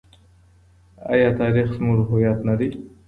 آیا تاریخ زموږ هویت نه دی؟